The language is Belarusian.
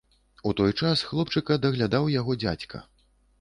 У той час хлопчыка даглядаў яго дзядзька.